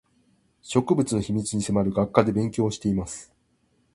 植物の秘密に迫る学科で勉強をしています